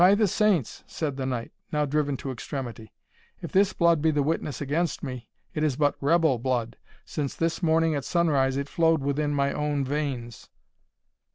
"By the Saints!" said the knight, now driven to extremity, "if this blood be the witness against me, it is but rebel blood, since this morning at sunrise it flowed within my own veins."